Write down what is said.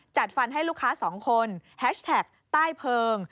จัดฟันให้ลูกค้าสองคนแฮชแท็กใต้เพลิง